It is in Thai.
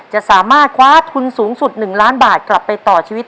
จะสามารถคว้าทุนสูงสุด๑ล้านบาทกลับไปต่อชีวิต